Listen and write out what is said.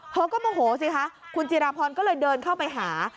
เธอก็โมโหสิคะคุณจิราพรก็เลยเดินเข้าไปหา